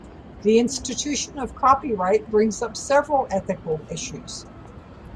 The institution of copyright brings up several ethical issues.